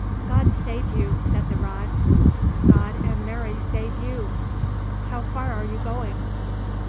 "God save you," said the rod. "God and Mary save you." "How far are you going?"